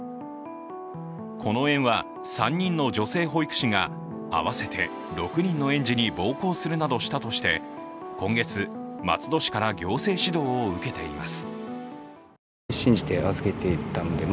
この園は３人の女性保育士が合わせて６人の園児に暴行するなどしたとして、今月、松戸市から行政指導を受けています。